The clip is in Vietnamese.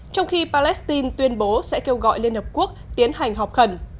trong khi palestine tuyên bố sẽ kêu gọi liên hợp quốc tiến hành họp khẩn